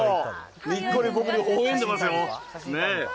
にっこり僕にほほえんでますよ。